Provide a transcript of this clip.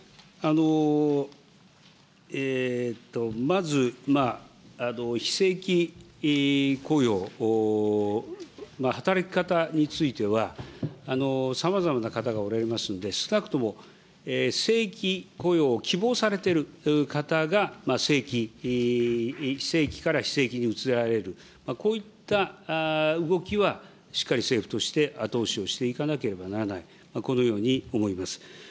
まず非正規雇用、働き方については、さまざまな方がおられますんで、少なくとも正規雇用を希望されている方が、非正規から正規に移られる、こういった動きはしっかり政府として後押しをしていかなければならない、このように思います。